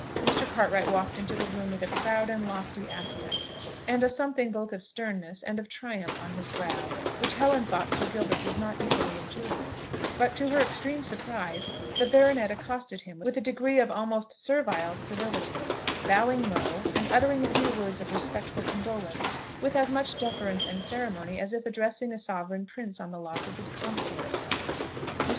Mr. Cartwright walked into the room with a proud and lofty aspect, and a something both of sternness and of triumph on his brow, which Helen thought Sir Gilbert would not easily endure; but, to her extreme surprise, the baronet accosted him with a degree of almost servile civility, bowing low, and uttering a few words of respectful condolence with as much deference and ceremony as if addressing a sovereign prince on the loss of his consort. Mr.